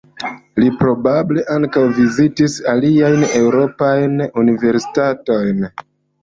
Li probable ankaŭ vizitadis aliajn eŭropajn universitatojn.